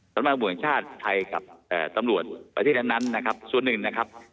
สำหรับบทแห่งชาติไทยกับตำรวจประเทศนั้นนะครับส่วนหนึ่งนะครับ